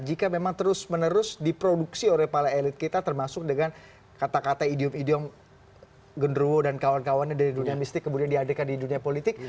jika memang terus menerus diproduksi oleh para elit kita termasuk dengan kata kata idiom idiom genruwo dan kawan kawannya dari dunia mistik kemudian diadakan di dunia politik